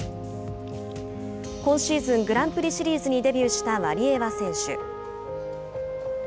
今シーズングランプリシリーズにデビューしたワリエワ選手。